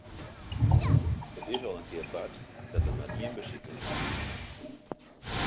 It is al in kear bard dat der mar ien besiker wie.